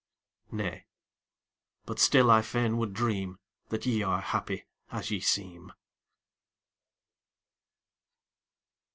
Nay but still I fain would dream That ye are happy as ye seem.